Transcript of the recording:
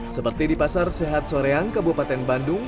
seperti di pasar sehat soreang kabupaten bandung